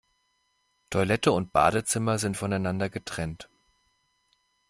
Toilette und Badezimmer sind voneinander getrennt.